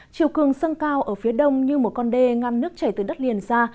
chiều cường sân cao ở phía đông như một con đê ngăn nước chảy từ đất liền ra